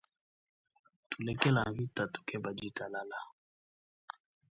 Tulekela mvita tukeba ditalala.